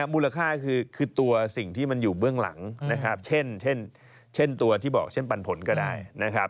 มูลค่าคือตัวสิ่งที่มันอยู่เบื้องหลังนะครับเช่นตัวที่บอกเช่นปันผลก็ได้นะครับ